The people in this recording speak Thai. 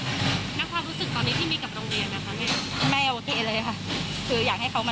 ในความรู้สึกว่าที่มีกับโรงเรียนะคุณแม่